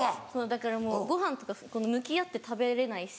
だからもうごはんとか向き合って食べれないし。